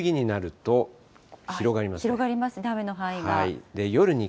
広がりますね、雨の範囲が。